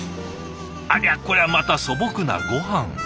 ありゃこりゃまた素朴なごはん。